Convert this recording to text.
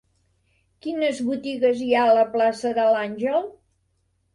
Quines botigues hi ha a la plaça de l'Àngel?